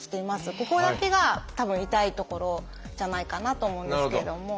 ここだけがたぶん痛い所じゃないかなと思うんですけれども。